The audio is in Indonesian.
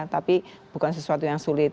tapi bukan sesuatu yang sulit